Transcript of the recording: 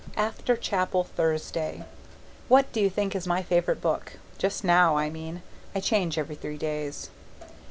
After chapel, Thursday What do you think is my favourite book? Just now, I mean; I change every three days.